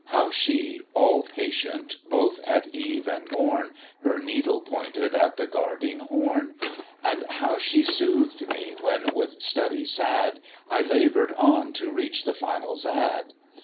How she, all patient, both at eve and morn, Her needle pointed at the guarding horn; And how she soothed me, when, with study sad, I labour'd on to reach the final zad?